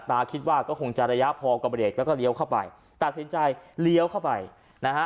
คิดว่าก็คงจะระยะพอกับเบรกแล้วก็เลี้ยวเข้าไปตัดสินใจเลี้ยวเข้าไปนะฮะ